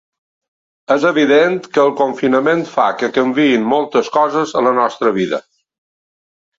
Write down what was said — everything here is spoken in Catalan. És evident que el confinament fa que canviïn moltes coses a la nostra vida.